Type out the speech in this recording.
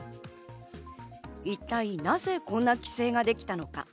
一体なぜこんな規制ができたのか。